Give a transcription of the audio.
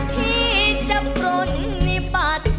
พี่จำกลุ่มในบัตร